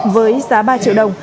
với giá ba triệu đồng